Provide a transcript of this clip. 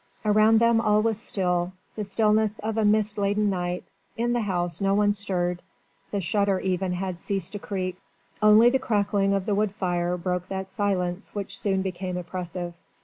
Around them all was still, the stillness of a mist laden night; in the house no one stirred: the shutter even had ceased to creak; only the crackling of the wood fire broke that silence which soon became oppressive.